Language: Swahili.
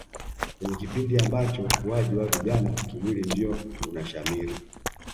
Kwenye kipindi ambacho ukuwaji wa vijana kimwili ndio unashamiri